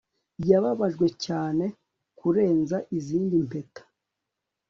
Yababajwe cyane kurenza izindi mpeta